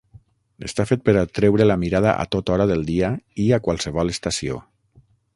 Està fet per atreure la mirada a tota hora del dia i a qualsevol estació.